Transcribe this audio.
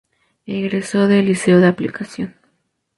Egresó del Liceo de Aplicación.